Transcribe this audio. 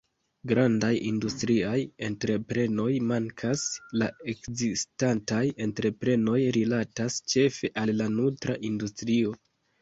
Grandaj industriaj entreprenoj mankas; la ekzistantaj entreprenoj rilatas ĉefe al la nutra industrio.